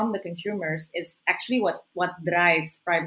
pengguna adalah yang membuat